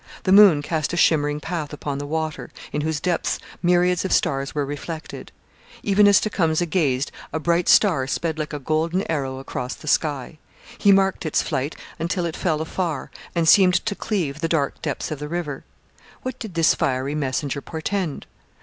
The moon cast a shimmering path upon the water, in whose depths myriads of stars were reflected. Even as Tecumseh gazed a bright star sped like a golden arrow across the sky. He marked its flight until it fell afar and seemed to cleave the dark depths of the river. What did this fiery messenger portend?